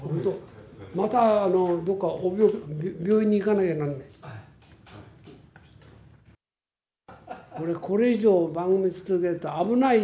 またどっか、病院に行かなきゃなんない。